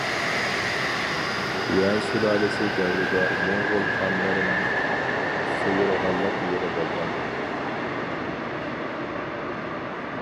يۈەن سۇلالىسى دەۋرىدە موڭغۇل خانلىرىنىڭ سۇيۇرغاللىق يېرى بولغان.